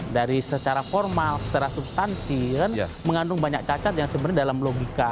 dari secara formal secara substansi kan mengandung banyak cacat yang sebenarnya dalam logika